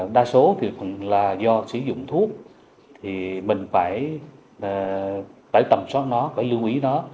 đa số thì là do sử dụng thuốc thì mình phải tầm soát nó phải lưu ý nó